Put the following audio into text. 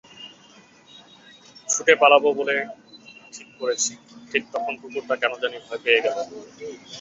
ছুটে পালাব বলে ঠিক করেছি, ঠিক তখন কুকুরটা কেন জানি ভয় পেয়ে গেল।